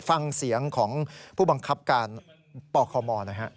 ฟังเสียงของผู้บังคับการปคม